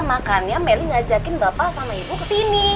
makanya melly ngajakin bapak sama ibu kesini